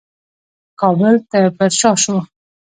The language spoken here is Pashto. کابل ته پرشا شو.